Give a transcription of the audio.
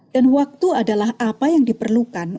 dan waktu adalah apa yang diperlukan